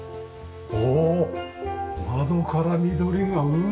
おおっ窓から緑がうわっ。